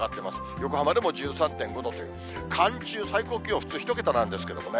横浜でも１３．５度という、寒中、気温、普通、１桁なんですけれどもね。